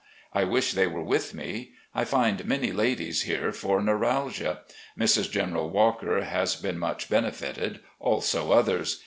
I wish they were with me. I find many ladies here for neuralgia. Mrs. General Walker has been much benefited, also others.